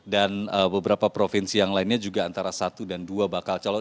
dan beberapa provinsi yang lainnya juga antara satu dan dua bakal calon